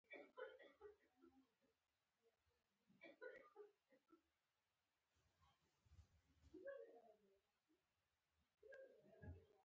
آیا دښمنان نه غواړي بیل یې کړي؟